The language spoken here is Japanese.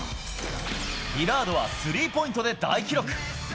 リラードはスリーポイントで大記録。